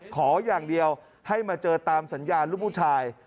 ขออย่างเดียวให้มาเจอตามสัญญาณลูกผู้ชาย